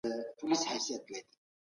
له بڼې ناروغي نه پېژندل کېږي.